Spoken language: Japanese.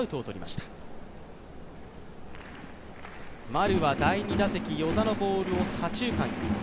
丸は第２打席、與座のボールを左中間に。